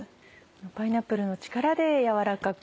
パイナップルの力でやわらかく。